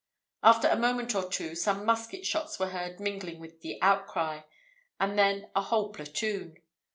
After a moment or two, some musket shots were heard mingling with the outcry, and then a whole platoon.